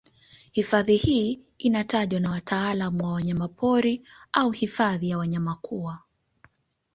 Hifadhi hii inatajwa na wataalamu wa wanyapori au hifadhi za wanyama kuwa